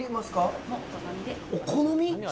お好み？